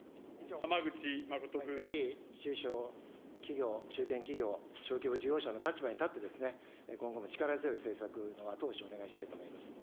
ぜひ、中小企業、中堅企業、小規模事業者の立場に立って、今後も力強い政策の後押しをお願いしたいと思います。